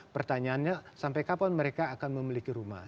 pertanyaannya sampai kapan mereka akan memiliki rumah